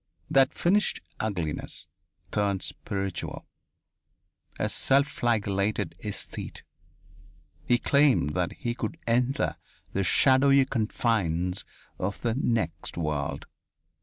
That finished ugliness turned spiritual a self flagellated aesthete. He claimed that he could enter the shadowy confines of the "next world."